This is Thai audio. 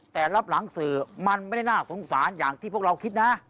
แต่รับหลังสื่อมันไม่ได้น่าสงสารอย่างที่พวกเราคิดนะ